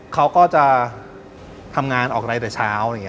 เขาก็จะทำงานออกอะไรแต่เช้า